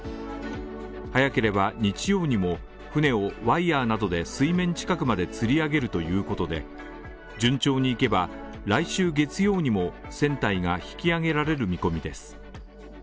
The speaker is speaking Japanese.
早ければ日曜日にも、船をワイヤーなどで水面近くまで吊り上げるということで、順調にいけば来週月曜にも、船体が引き揚げられる見込みです。